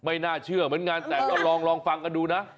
ไม่น่าเชื่อเหมือนกันแต่ก็ลองฟังกันดูนะ